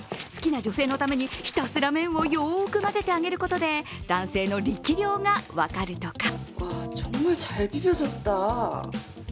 好きな女性のためにひたすら麺をよーく混ぜてあげることで男性の力量が分かるとか。